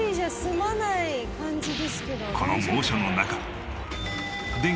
この猛暑の中。